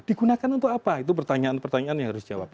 digunakan untuk apa itu pertanyaan pertanyaan yang harus dijawab